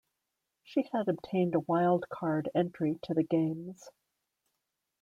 She had obtained a wildcard entry to the Games.